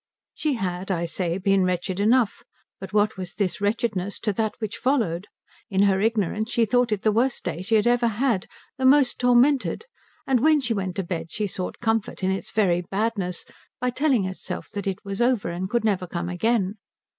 She had, I say, been wretched enough; but what was this wretchedness to that which followed? In her ignorance she thought it the worst day she had ever had, the most tormented; and when she went to bed she sought comfort in its very badness by telling herself that it was over and could never come again.